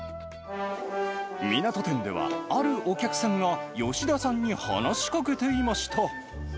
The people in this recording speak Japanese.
みなと店では、あるお客さんが吉田さんに話しかけていました。